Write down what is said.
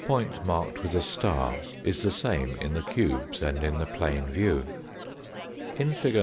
point marked with a star is the same in the cubes and in the plane view. In fig.